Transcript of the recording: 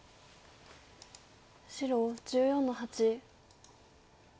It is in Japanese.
白１４の八。